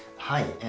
はい。